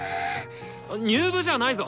入部じゃないぞ！